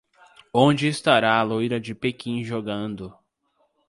Onde estará a loira de Pequim jogando